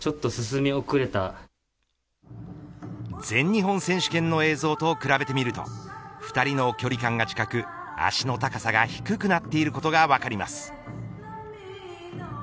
全日本選手権の映像と比べてみると２人の距離感が近く足の高さが低くなっていることが分かります。